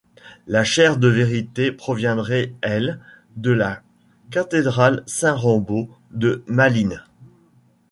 La chaire de vérité proviendrait, elle, de la cathédrale Saint-Rombaut de Malines.